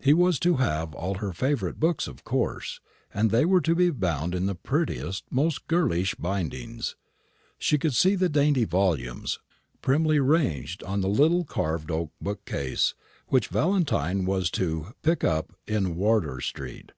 He was to have all her favourite books, of course; and they were to be bound in the prettiest, most girlish bindings. She could see the dainty volumes, primly ranged on the little carved oak bookcase, which Valentine was to "pick up" in Wardour street.